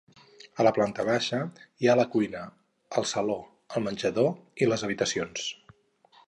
A la planta baixa hi ha la cuina, el saló, el menjador i les habitacions.